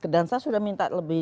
dan saya sudah minta lebih